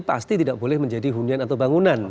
pasti tidak boleh menjadi hunian atau bangunan